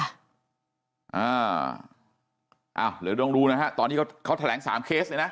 อ้าวเหลือต้องรู้นะครับตอนนี้เขาแถลง๓เคสเลยนะ